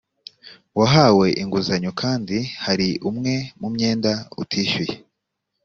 wahawe inguzanyo kandi hari umwe mu myenda utishyuye